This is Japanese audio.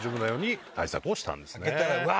開けたらうわ！